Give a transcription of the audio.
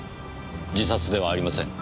自殺ではありません。